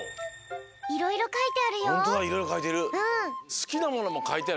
すきなものもかいてあるよね。